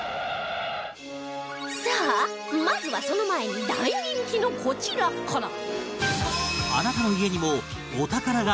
さあまずはその前に大人気のこちらから